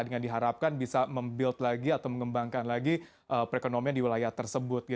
dengan diharapkan bisa membuilt lagi atau mengembangkan lagi perekonomian di wilayah tersebut